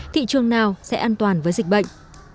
thị trường nào sẽ an toàn với dịch bệnh